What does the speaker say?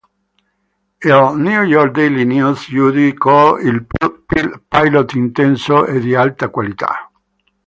Il "New York Daily News" giudicò il pilot intenso e di alta qualità.